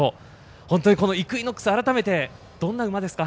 本当にイクイノックス、改めてどんな馬ですか？